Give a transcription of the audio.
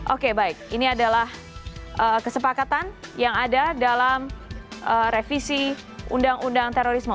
oke baik ini adalah kesepakatan yang ada dalam revisi undang undang terorisme